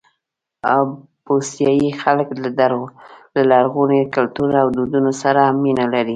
بوسنیایي خلک د لرغوني کلتور او دودونو سره مینه لري.